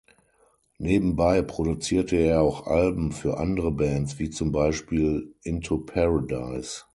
Nebenbei produzierte er auch Alben für andere Bands wie zum Beispiel "Into Paradise".